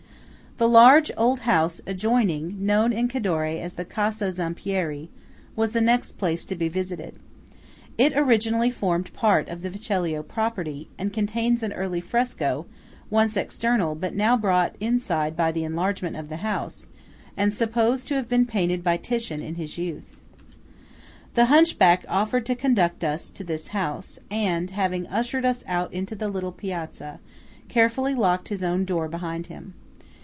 The large old house adjoining, known in Cadore as the Casa Zampieri, was the next place to be visited. It originally formed part of the Vecellio property, and contains an early fresco, once external, but now brought inside by the enlargement of the house, and supposed to have been painted by Titian in his youth. The hunchback offered to conduct us to this house, and, having ushered us out into the little piazza, carefully locked his own door behind him.